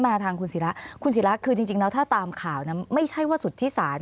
ทางคุณศิระคุณศิระคือจริงแล้วถ้าตามข่าวนั้นไม่ใช่ว่าสุทธิศาล